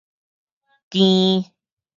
經